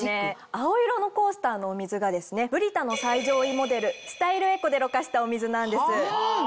青色のコースターのお水がですねＢＲＩＴＡの最上位モデルスタイルエコでろ過したお水なんです。